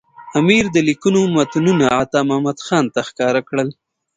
امیر د لیکونو متنونه عطامحمد خان ته ښکاره کول.